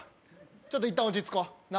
ちょっといったん落ち着こ。